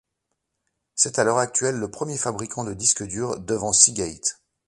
C'est à l'heure actuelle le premier fabricant de disques durs, devant Seagate.